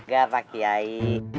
gak pak kiai